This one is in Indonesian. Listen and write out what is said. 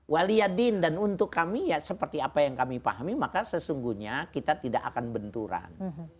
waliyadin dan untuk kami ya seperti apa yang kami pahami maka sesungguhnya kita tidak akan benturan